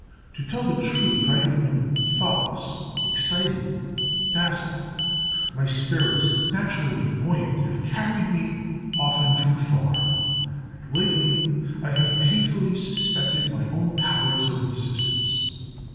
To tell the truth, I have been thoughtless, excited, dazzled; my spirits, naturally buoyant, have carried me, often, too far; and lately I have painfully suspected my own powers of resistance.